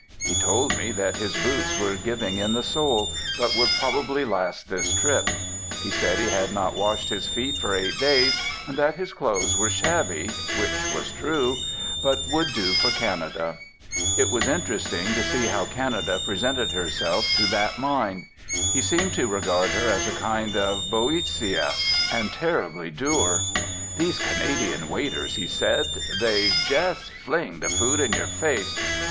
He told me that his boots were giving in the sole, but would probably last this trip. He said he had not washed his feet for eight days; and that his clothes were shabby (which was true), but would do for Canada. It was interesting to see how Canada presented herself to that mind. He seemed to regard her as a kind of Boeotia, and terrifyingly dour. "These Canadian waiters," he said, "they jes' fling the food in y'r face.